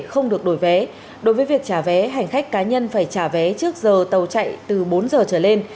không được đổi vé đối với việc trả vé hành khách cá nhân phải trả vé trước giờ tàu chạy từ bốn giờ trở lên